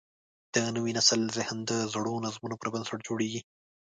د نوي نسل ذهن د زړو نظمونو پر بنسټ جوړېږي.